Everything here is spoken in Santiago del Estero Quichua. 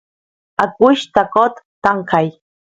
akuyshtaqot tankay